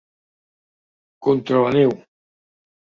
Contra la neu!